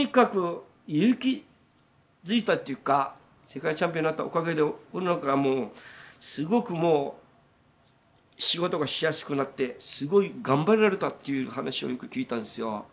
世界チャンピオンになったおかげで俺なんかはもうすごくもう仕事がしやすくなってすごい頑張れられたっていう話をよく聞いたんですよ。